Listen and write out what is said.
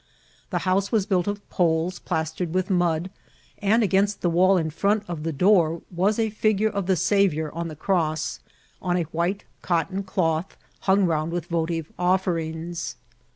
The house was built of poles plas* tered with mud, and against the wall in front <^ the door was a figure of the Saviour on the cross, on a white cotton cloth hung round with votive offerings.